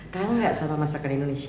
kamu lihat salam masakan indonesia